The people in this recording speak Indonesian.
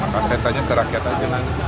maka saya tanya terakhir aja